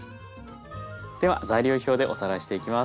では材料表でおさらいしていきます。